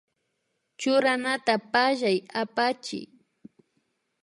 Churanata pallay apachiy